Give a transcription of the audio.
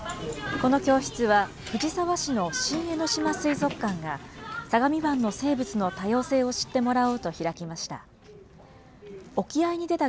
この教室は、藤沢市の新江ノ島水族館が、相模湾の生物の多様性を知ってもらおうと開きました。